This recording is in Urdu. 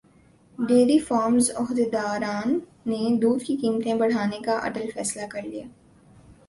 ڈیری فارمز عہدیداران نے دودھ کی قیمتیں بڑھانے کا اٹل فیصلہ کرلیا